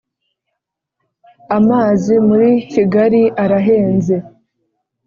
amazi muri kigari arahenze